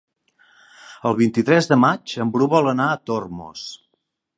El vint-i-tres de maig en Bru vol anar a Tormos.